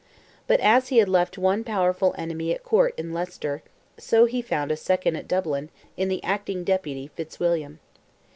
But as he had left one powerful enemy at court in Leicester—so he found a second at Dublin, in the acting deputy, Fitzwilliam.